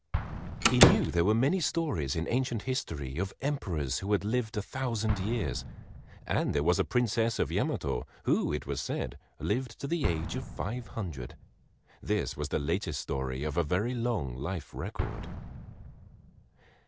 He knew there were many stories in ancient history of emperors who had lived a thousand years, and there was a Princess of Yamato, who, it was said, lived to the age of five hundred. This was the latest story of a very long life record.